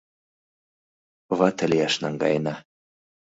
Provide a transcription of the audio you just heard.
Вате лияш наҥгаена.